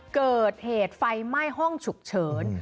เกิดเหตุไฟไหม้ห้องฉุกเฉิน